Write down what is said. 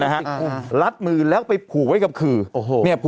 นะฮะอ่ารัดมือแล้วไปผูกไว้กับขื่อโอ้โหเนี้ยผูก